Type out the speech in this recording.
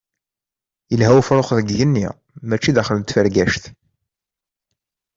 Yelha ufrux deg yigenni mačči daxel n tfergact.